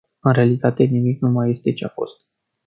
În realitate, nimic nu mai este ce-a fost.